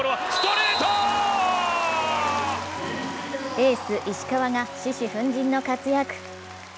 エース・石川が獅子奮迅の活躍。